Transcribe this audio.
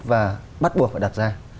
và bắt buộc phải đặt ra